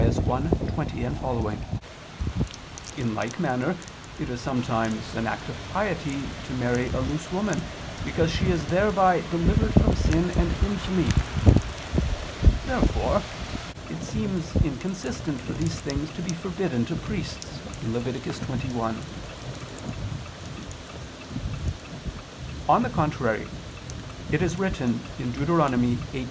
1:20, seqq.). In like manner it is sometimes an act of piety to marry a loose woman, because she is thereby delivered from sin and infamy. Therefore it seems inconsistent for these things to be forbidden to priests (Lev. 21). On the contrary, It is written (Deut.